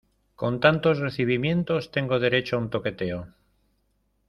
con tantos recibimientos, tengo derecho a un toqueteo.